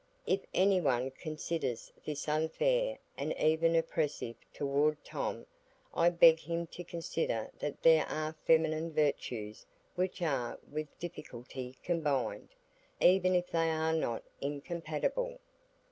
If any one considers this unfair and even oppressive toward Tom, I beg him to consider that there are feminine virtues which are with difficulty combined, even if they are not incompatible.